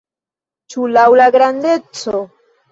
Ĉu laŭ la grandeco?